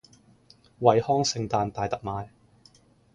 惠康聖誕大特賣